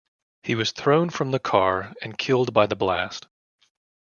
He was thrown from the car and killed by the blast.